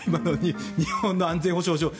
日本の安全保障上。